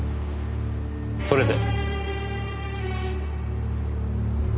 それで？